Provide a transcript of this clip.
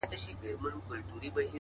نه مي د چا پر زنگون سر ايښى دى.!